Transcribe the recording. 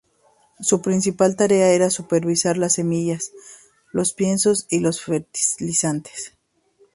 Su principal tarea era supervisar las semillas, los piensos y los fertilizantes.